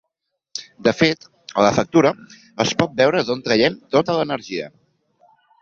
De fet, a la factura, es pot veure d’on traiem tota l’energia.